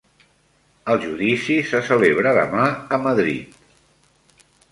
El judici se celebra demà a Madrid